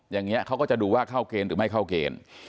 อย่างนี้เขาก็จะดูว่าเข้าเกณฑ์หรือไม่เข้าเกณฑ์